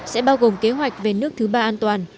sẽ bao gồm kế hoạch về nước thứ ba an toàn